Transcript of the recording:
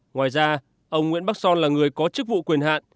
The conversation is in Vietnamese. ngoài ra ông nguyễn bắc son là người có chức vụ quyền hạn